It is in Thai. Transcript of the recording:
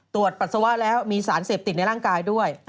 ปัสสาวะแล้วมีสารเสพติดในร่างกายด้วย